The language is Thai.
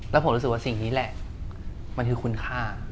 แล้วผมรู้สึกว่าสิ่งนี้แหละ